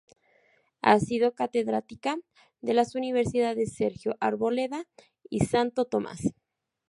Ha sido catedrática de las universidades Sergio Arboleda y Santo Tomás.